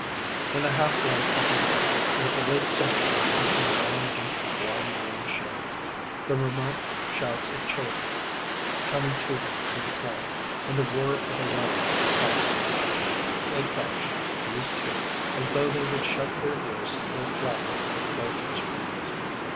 In the half light of the room, with the late sunshine pressing warm against the drawn green shades, the remote shouts of children coming to them through the quiet, and the whir of a lawn mower off somewhere, they crouched, these two, as though they would shut their ears to the flapping of vultures' wings.